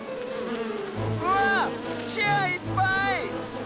うわっチェアいっぱい！